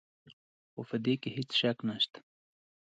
خو په دې کې هېڅ شک نشته.